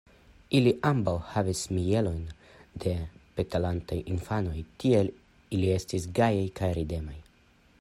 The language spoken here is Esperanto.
Ili ambaŭ havis mienojn de petolantaj infanoj, tiel ili estis gajaj kaj ridemaj.